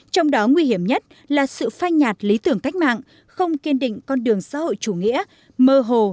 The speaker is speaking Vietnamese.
trong đó nguy hiểm nhất là sự phai nhạt lý tưởng cách mạng không kiên định con đường xã hội chủ nghĩa mơ hồ